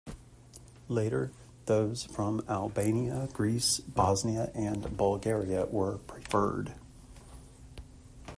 Later, those from Albania, Greece, Bosnia, and Bulgaria were preferred.